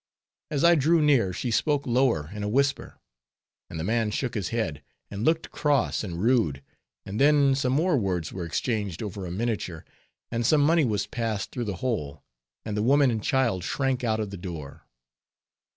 As I drew near, she spoke lower in a whisper; and the man shook his head, and looked cross and rude; and then some more words were exchanged over a miniature, and some money was passed through the hole, and the woman and child shrank out of the door.